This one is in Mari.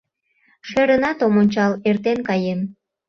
— Шӧрынат ом ончал, эртен каем...»